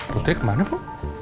putri kemana bu